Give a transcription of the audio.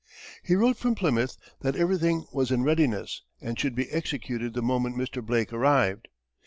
He wrote from Plymouth that everything was in readiness and should be executed the moment Mr. Blake arrived.